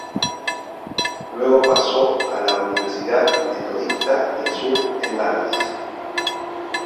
Luego pasó a la Universidad Metodista del Sur en Dallas.